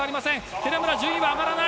寺村、順位は上がらない。